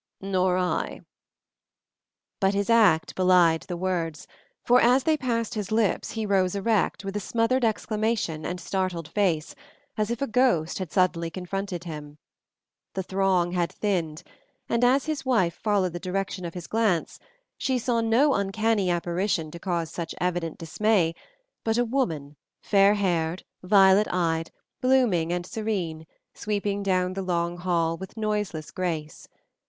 "Nor I." But his act belied the words, for as they passed his lips he rose erect, with a smothered exclamation and startled face, as if a ghost had suddenly confronted him. The throng had thinned, and as his wife followed the direction of his glance, she saw no uncanny apparition to cause such evident dismay, but a woman fair haired, violet eyed, blooming and serene, sweeping down the long hall with noiseless grace.